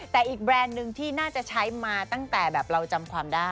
แต่อีกแบรนด์หนึ่งที่น่าจะใช้มาตั้งแต่แบบเราจำความได้